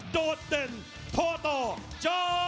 ดอตเต็นทอตโตจันทร์ชาย